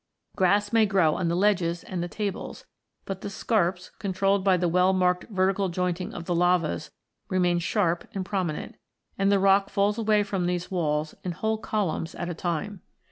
Grass may grow on the ledges and the tables ; but the scarps, controlled by the well marked vertical jointing of the lavas, remain sharp and prominent, and the rock falls away from these walls in whole columns at a time.